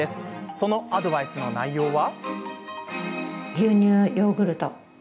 そのアドバイスの内容は。